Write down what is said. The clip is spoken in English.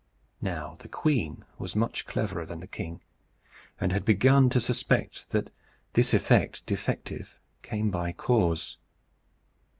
Now the queen was much cleverer than the king, and had begun already to suspect that "this effect defective came by cause."